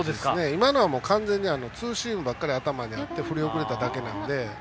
今のは完全にツーシームばっかり頭にあって振り遅れただけなんで。